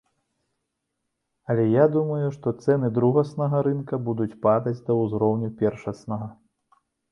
Але я думаю, што цэны другаснага рынка будуць падаць да ўзроўню першаснага.